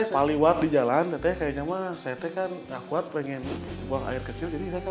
kali waktu jalan kayaknya mah setekan akuat pengen buang air kecil jadi saya kamu dulu